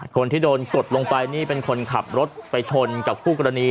คนที่โดนกดลงไปนี่เป็นคนขับรถไปชนกับคู่กรณี